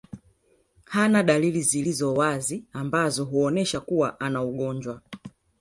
Hana dalili zilizo wazi ambazo huonesha kuwa ana ugonjwa